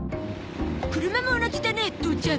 車も同じだね父ちゃん。